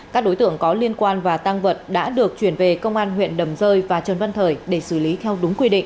các đối tượng có liên quan và tăng vật đã được chuyển về công an huyện đầm rơi và trần văn thời để xử lý theo đúng quy định